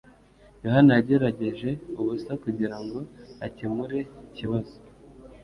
Yohana yagerageje ubusa kugirango akemure ikibazo.